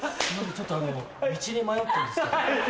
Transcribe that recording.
ちょっとあの道に迷ったんですけど。